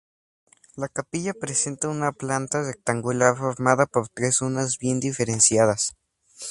La capilla presenta una planta rectangular formada por tres zonas bien diferenciadas.